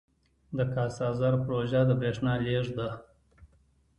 د کاسا زر پروژه د بریښنا لیږد ده